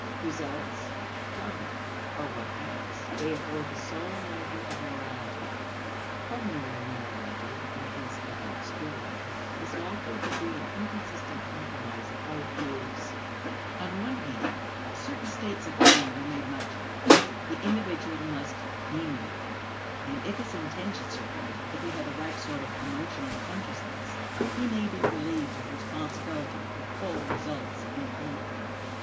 Results, conduct, are what counts; they afford the sole measure of morality. Ordinary morality, and hence that of the schoolroom, is likely to be an inconsistent compromise of both views. On one hand, certain states of feeling are made much of; the individual must "mean well," and if his intentions are good, if he had the right sort of emotional consciousness, he may be relieved of responsibility for full results in conduct.